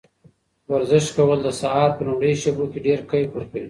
ورزش کول د سهار په لومړیو شېبو کې ډېر کیف ورکوي.